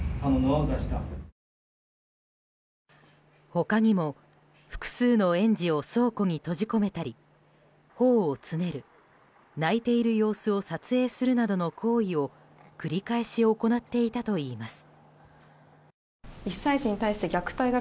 他にも複数の園児を倉庫に閉じ込めたり頬をつねる、泣いている様子を撮影するなどの行為を繰り返し行っていたといいます。